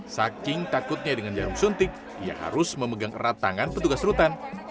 saking takutnya dengan jarum suntik ia harus memegang erat tangan petugas rutan